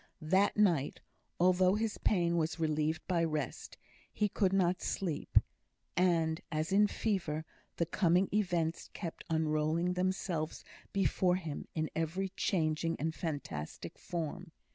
That night, although his pain was relieved by rest, he could not sleep; and, as in fever, the coming events kept unrolling themselves before him in every changing and fantastic form.